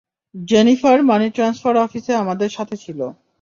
Jennifer money transfer অফিসে আমাদের সাথে ছিল।